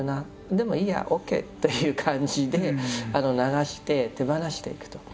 でもいいやＯＫという感じで流して手放していくと。